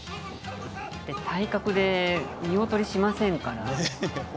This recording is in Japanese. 体格で見劣りしませんから。